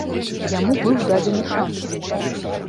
Яму быў дадзены шанц.